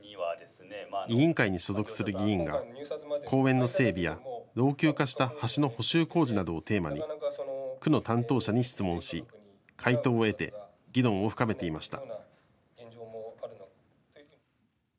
委員会に所属する議員が公園の整備や老朽化した橋の補修工事などをテーマに区の担当者に質問し回答を得て議論を深めていました。